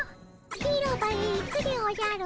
広場へ行くでおじゃる。